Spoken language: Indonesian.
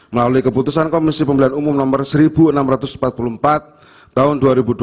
melalui keputusan komisi pemilihan umum no seribu enam ratus empat puluh empat tahun dua ribu dua puluh